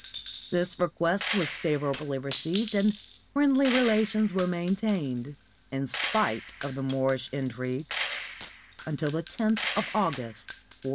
This request was favorably received, and friendly rela tions were maintained, in spite of the Moorish intrigues, until the lothof August, 1498.